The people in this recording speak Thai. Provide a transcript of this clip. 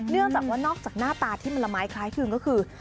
เนื่องจากว่านอกจากหน้าตาที่มันละไม้คล้ายคลึงก็คือ